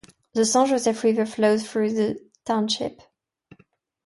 The Saint Joseph River flows through the township.